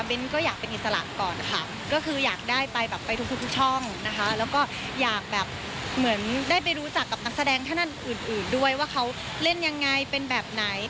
ก็อยากเป็นอิสระก่อนค่ะก็คืออยากได้ไปแบบไปทุกช่องนะคะแล้วก็อยากแบบเหมือนได้ไปรู้จักกับนักแสดงท่านอื่นด้วยว่าเขาเล่นยังไงเป็นแบบไหน